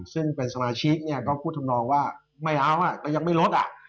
ซึ่งเป็นสมาชิกเนี่ยก็พูดทำนองว่าไม่เอาก็ยังไม่ลดอ่ะ